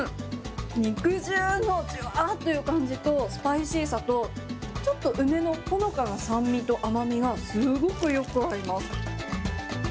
肉汁のじゅわーっていう感じと、スパイシーさと、ちょっと梅のほのかな酸味と甘みが、すごくよく合います。